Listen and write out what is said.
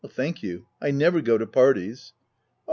"Thank you, I never go to parties.'' " Oh